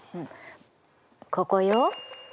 ここよ。